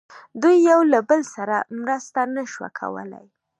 دوی یو له بل سره مرسته نه شوه کولای.